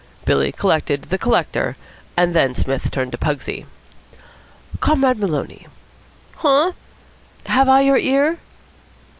Billy collected the collector, and then Psmith turned to Pugsy. "Comrade Maloney." "Huh?" "Have I your ear?"